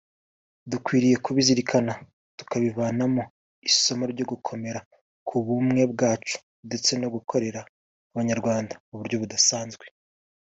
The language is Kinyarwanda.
Dukwiye kubizirikana tukabivanamo isomo ryo gukomera ku bumwe bwacu ndetse no gukorera Abanyarwanda mu buryo budasanzwe